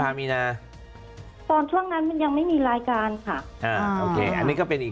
ตอนช่วงนั้นมันไม่มีรายการ